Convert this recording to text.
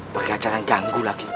pake acara yang ganggu lagi